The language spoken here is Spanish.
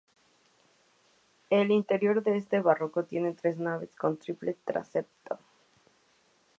El interior, de estilo barroco, tiene tres naves con triple transepto.